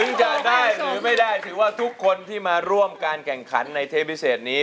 จะได้หรือไม่ได้ถือว่าทุกคนที่มาร่วมการแข่งขันในเทปพิเศษนี้